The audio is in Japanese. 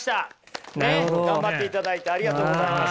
頑張っていただいてありがとうございます。